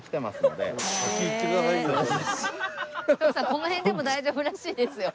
この辺でも大丈夫らしいですよ。